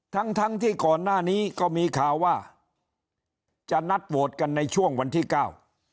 ทั้งทั้งที่ก่อนหน้านี้ก็มีข่าวว่าจะนัดโหวตกันในช่วงวันที่เก้า